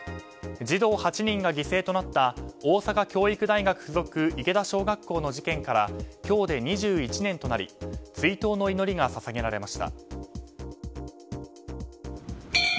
児童８人が犠牲となった大阪教育大学附属池田小学校の事件から今日で２１年となり追悼の祈りが捧げられました。